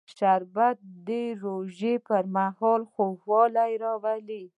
شربت د روژې پر مهال خوږوالی راولي